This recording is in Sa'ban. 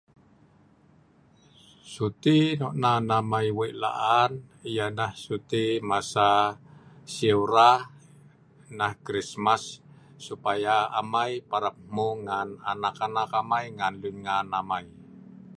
suti nok nan amei weik la'an ialah suti masa siu rah nah krismas supaya amei parap mung ngan anak anak amei ngan lun ngan amei